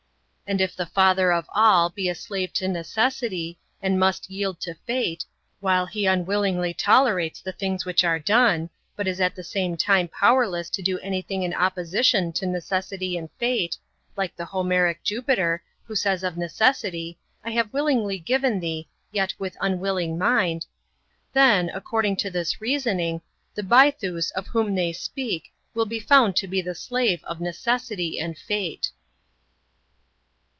And if the Father of all be a slave to necessity, and must yield to fate, while He unwillingly tolerates the things which are done, but is at the same time powerless to do anything in opposition to necessity and fate (like the Homeric Jupiter, who says of necessity, ^* I have willingly given thee, yet with unwilling mind"), then, accord in f»* to this reasoning, the By thus of whom they speak will be found to be the slave of necessity and fate.